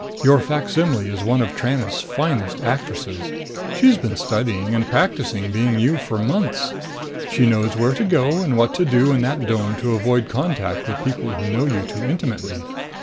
Your facsimile is one of Tranest's finest actresses. She's been studying and practicing being you for months. She knows where to go and what to do in that dome to avoid contact with people who know you too intimately.